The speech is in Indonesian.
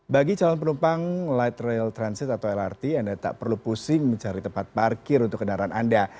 bagi calon penumpang light rail transit atau lrt anda tak perlu pusing mencari tempat parkir untuk kendaraan anda